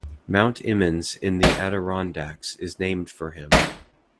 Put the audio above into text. Mount Emmons in the Adirondacks is named for him.